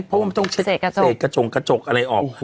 เพราะว่ามันต้องเช็ดกระจกอะไรออก